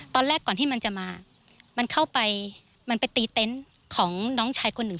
ตอนแรกก่อนที่มันจะมามันเข้าไปมันไปตีเต็นต์ของน้องชายคนหนึ่ง